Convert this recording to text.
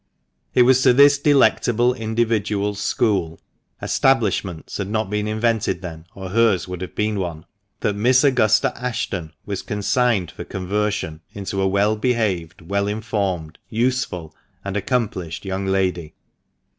It was to this delectable individual's school ("establishments" had not been invented then, or her's would have been one) that Miss Augusta Ashton was consigned for conversion into a well behaved, well informed, useful, and accomplished young lady.